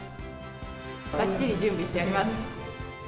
ばっちり準備しております。